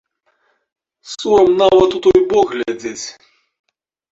Сорам нават у той бок глядзець.